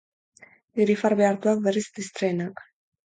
Irrifar behartuak berriz tristeenak.